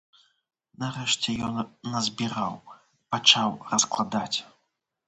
Нарэшце ён назбіраў, пачаў раскладаць.